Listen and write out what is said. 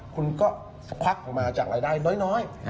คุณก็ควักออกมาจากรายได้น้อย